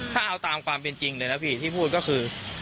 ถ้าเอาตามความเป็นจริงเลยนะพี่ที่พูดก็คือ